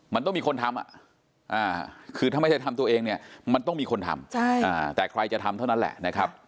มันต้องมีคนทำคือถ้าไม่ใช่ทำตัวเองเนี่ยมันต้องมีคนทำแต่ใครจะทำเท่านั้นแหละนะครับ